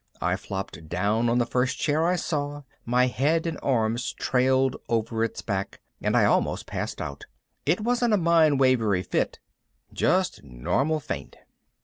I flopped down on the first chair I saw, my head and arms trailed over its back, and I almost passed out. It wasn't a mind wavery fit. Just normal faint.